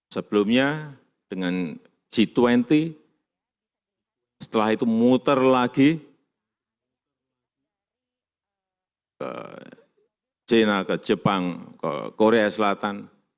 sebelumnya dengan g dua puluh setelah itu muter lagi ke china ke jepang ke korea selatan